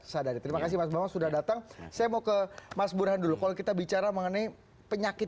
sadari terima kasih mas bambang sudah datang saya mau ke mas burhan dulu kalau kita bicara mengenai penyakit